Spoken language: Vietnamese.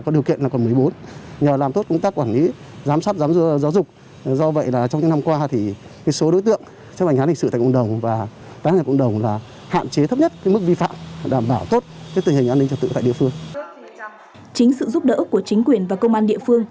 chính sự giúp đỡ của chính quyền và công an địa phương